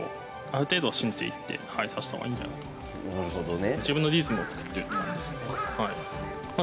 なるほどね。